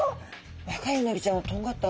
若いうなぎちゃんはとんがった。